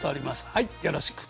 はいよろしく。